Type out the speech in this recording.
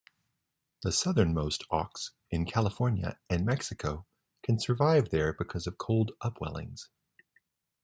The southernmost auks, in California and Mexico, can survive there because of cold upwellings.